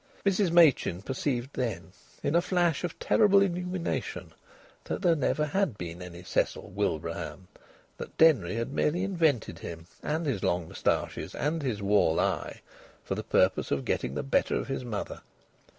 Mrs Machin perceived then, in a flash of terrible illumination, that there never had been any Cecil Wilbraham; that Denry had merely invented him and his long moustaches and his wall eye for the purpose of getting the better of his mother.